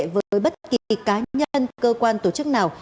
với bất kỳ cá nhân cơ quan tổ chức nào